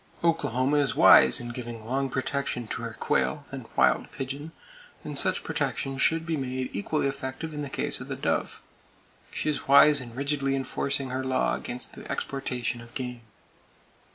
Oklahoma is wise in giving long protection to her quail, and "wild pigeon," and such protection should be made equally effective in the case of the dove. She is wise in rigidly enforcing her law against the exportation of game.